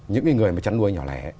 những người mà chân nuôi nhỏ lẻ